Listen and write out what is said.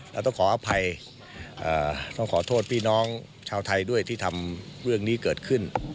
เราต้องขออภัยต้องขอโทษพี่น้องชาวไทยด้วยที่ทำเรื่องนี้เกิดขึ้น